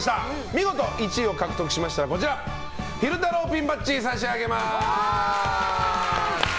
見事１位を獲得されましたらこちらの昼太郎ピンバッジを差し上げます。